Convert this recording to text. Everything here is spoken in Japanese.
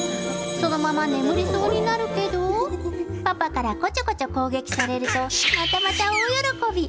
そのまま眠りそうになるけど、パパからこちょこちょ攻撃されると、またまた大喜び。